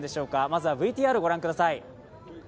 まずはＶＴＲ御覧ください。